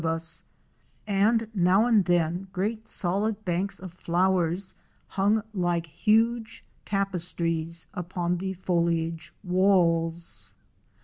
253 of us, and now and then great solid banks of flowers hung like huge tapestries upon the foliage walls.